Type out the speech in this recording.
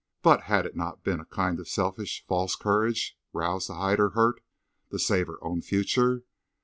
But had it not been a kind of selfish, false courage, roused to hide her hurt, to save her own future?